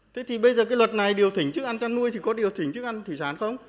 thế thì bây giờ cái luật này điều chỉnh thức ăn chăn nuôi thì có điều chỉnh thức ăn thủy sản không